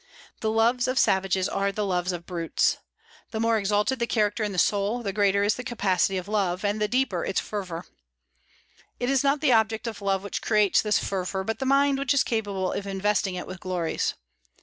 The loves of savages are the loves of brutes. The more exalted the character and the soul, the greater is the capacity of love, and the deeper its fervor. It is not the object of love which creates this fervor, but the mind which is capable of investing it with glories.